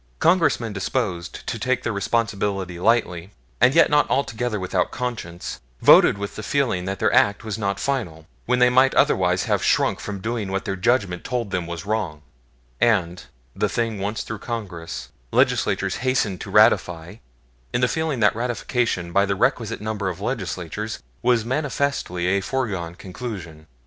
Congressmen disposed to take their responsibility lightly, and yet not altogether without conscience, voted with the feeling that their act was not final, when they might otherwise have shrunk from doing what their Judgment told them was wrong; and, the thing once through Congress, Legislatures hastened to ratify in the feeling that ratification by the requisite number of Legislatures was manifestly a foregone conclusion.